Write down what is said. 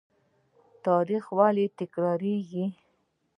تاریخ ولې تکراریږي؟